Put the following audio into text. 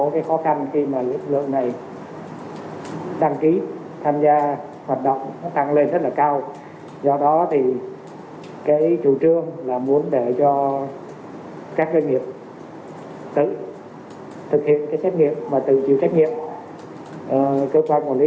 và đặc biệt là phải ứng dụng các công nghệ để thực hiện việc quản lý